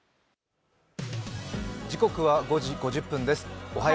時刻は５時５０分です。